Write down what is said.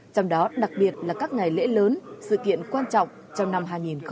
trong đó đặc biệt là các ngày lễ lớn sự kiện quan trọng trong năm hai nghìn hai mươi